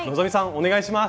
お願いします。